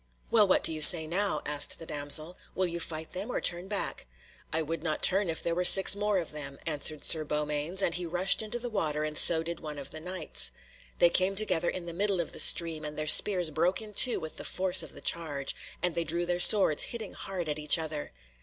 "Well, what do you say now?" asked the damsel. "Will you fight them or turn back?" "I would not turn if there were six more of them," answered Sir Beaumains, and he rushed into the water and so did one of the Knights. They came together in the middle of the stream, and their spears broke in two with the force of the charge, and they drew their swords, hitting hard at each other.